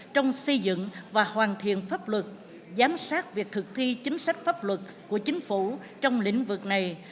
trong xây dựng và hoàn thiện pháp luật giám sát việc thực thi chính sách pháp luật của chính phủ trong lĩnh vực này